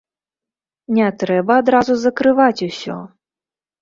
Не трэба адразу закрываць усё!